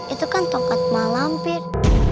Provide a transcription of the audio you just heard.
itu kan tokat malampir